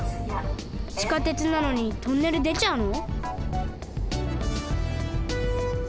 地下鉄なのにトンネルでちゃうの？